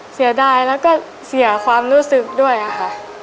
เสียดายแล้วก็เสียความรู้สึกด้วยค่ะ